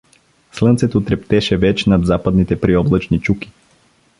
Слънцето трептеше веч над западните приоблачни чуки.